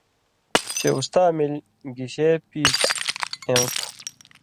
چے اُستا ملیۡ گشے پیش اېوں تُھو